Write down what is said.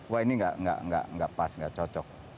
wah ini nggak pas nggak cocok